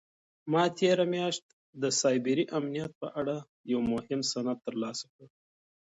ما تېره میاشت د سایبري امنیت په اړه یو مهم سند ترلاسه کړ.